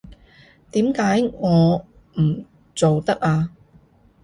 點解我唔做得啊？